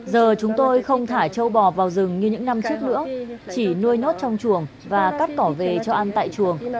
giờ chúng tôi không thả châu bò vào rừng như những năm trước nữa chỉ nuôi nhốt trong chuồng và cắt cỏ về cho ăn tại chuồng